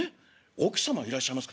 『奥様はいらっしゃいますか』